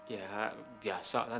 ya biasa lah